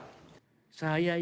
beliau diutus oleh cikyas waktu itu